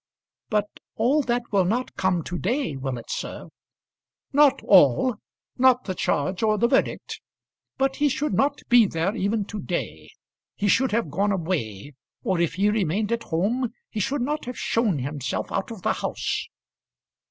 "But all that will not come to day, will it, sir?" "Not all, not the charge or the verdict. But he should not be there even to day. He should have gone away; or if he remained at home, he should not have shown himself out of the house."